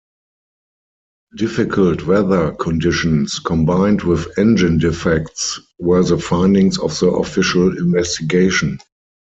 Difficult weather conditions combined with engine defects were the findings of the official investigation.